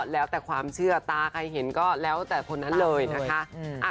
แล้วแต่ความเชื่อตาใครเห็นก็แล้วแต่คนนั้นเลยนะคะ